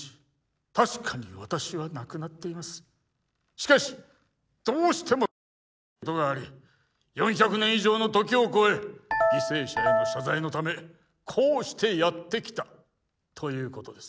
しかしどうしても伝えたいことがあり４００年以上の時を超え犠牲者への謝罪のためこうしてやって来たということです。